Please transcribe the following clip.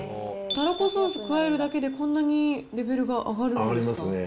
たらこソース加えるだけで、こんなにレベルが上がるんですか上がりますね。